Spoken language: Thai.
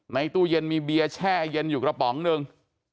ตู้เย็นมีเบียร์แช่เย็นอยู่กระป๋องหนึ่ง